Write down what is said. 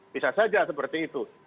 bisa saja seperti itu